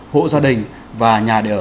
hộ gia đình và nhà để ở